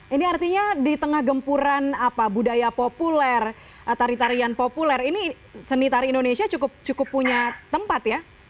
ini artinya di tengah gempuran budaya populer tari tarian populer ini seni tari indonesia cukup punya tempat ya